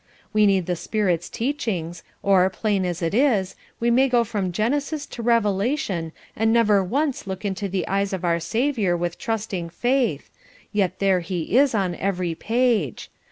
We need the Spirit's teachings, or, plain as it is, we may go from Genesis to Revelation and never once look into the eyes of our Saviour with trusting faith, yet there he is on every page.